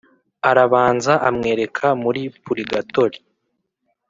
arabanza amwereka muli purigatoli,